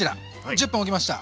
１０分おきました。